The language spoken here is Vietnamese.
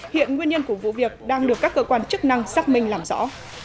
hiện nguyên nhân của vụ việc đang được các cơ quan chức năng xác minh làm rõ